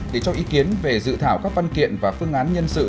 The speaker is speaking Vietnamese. để cho ý kiến về dự thảo các văn kiện và phương án nhân sự